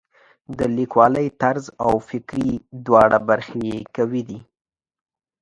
د لیکوالۍ طرز او فکري دواړه برخې یې قوي دي.